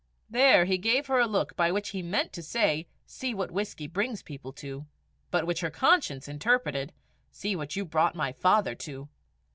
There he gave her a look by which he meant to say, "See what whisky brings people to!" but which her conscience interpreted, "See what you brought my father to!"